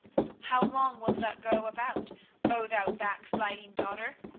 24:031:022 How long wilt thou go about, O thou backsliding daughter?